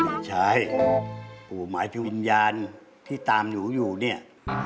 ไม่ใช่ปู่หมายถึงวิญญาณที่ตามหนูอยู่เนี่ย